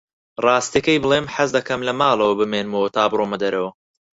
ڕاستییەکەی بڵێم، حەز دەکەم لە ماڵەوە بمێنمەوە تا بڕۆمە دەرەوە.